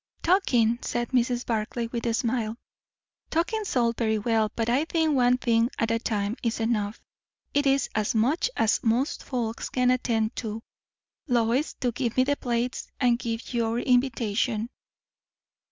"Talking," said Mrs. Barclay, with a smile. "Talking's all very well, but I think one thing at a time is enough. It is as much as most folks can attend to. Lois, do give me the plates; and give your invitation."